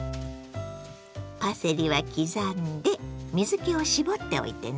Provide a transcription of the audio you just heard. パセリは刻んで水けを絞っておいてね。